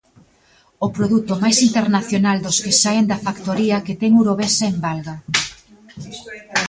O produto máis internacional dos que saen da factoría que ten Urovesa en Valga.